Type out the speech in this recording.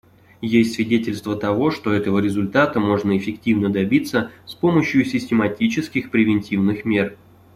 Есть свидетельства того, что этого результата можно эффективно добиться с помощью систематических превентивных мер.